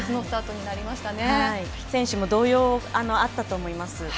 選手も動揺があったと思います。